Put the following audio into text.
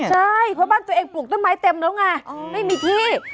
ใช่เพราะบ้านตัวเองปลูกต้นไม้เต็มแล้วไงไม่มีที่